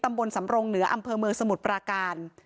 ตำบลสำรงเหนืออำเภอเมืองสมุทรปราการ